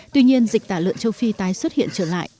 tuy nhiên dịch tả lợn châu phi tái xuất hiện trở lại